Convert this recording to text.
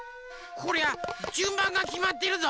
こりゃじゅんばんがきまってるぞ。